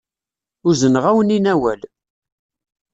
Uzneɣ-awen-in awal.